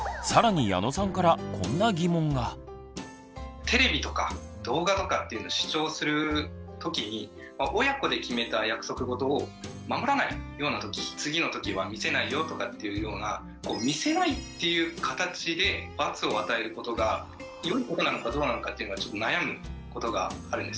更にテレビとか動画とかっていうのを視聴する時に親子で決めた約束事を守らないような時次の時は見せないよとかっていうような見せないっていう形で罰を与えることが良いことなのかどうなのかっていうのはちょっと悩むことがあるんですね。